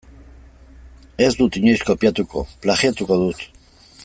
Ez dut inoiz kopiatuko, plagiatuko dut.